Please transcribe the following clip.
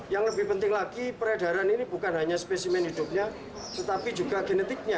yang lebih penting lagi peredaran ini bukan hanya spesimen hidupnya tetapi juga genetiknya